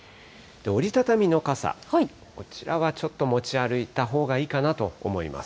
折り畳みの傘、こちらはちょっと持ち歩いたほうがいいかなと思います。